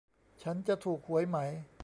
ฉันจะถูกหวยไหม